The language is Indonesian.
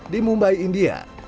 di mumbai india